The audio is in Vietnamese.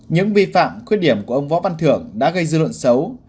những vi phạm khuyết điểm của ông võ văn thưởng đã gây dư luận xấu